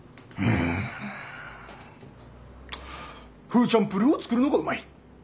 フーチャンプルーを作るのがうまい。